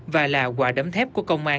và là quả đấm thép của công an